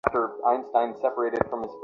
আপনারা শোবার ঘরে চলে আসুন।